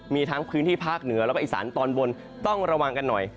มีทั้งพื้นที่ภาคเหนือแล้วก็อีสานตอนบนต้องระวังกันหน่อย